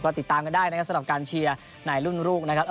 ก็ติดตามกันได้นะครับสำหรับการเชียร์ในรุ่นลูกนะครับ